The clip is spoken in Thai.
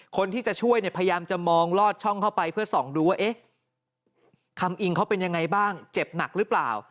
คนที่จะช่วยเนี่ยพยายามจะมองลอดช่องเข้าไปเพื่อส่องดูว่าเอ๊ะคำอิงเขาเป็นยังไงบ้างเจ็บหนักหรือเปล่า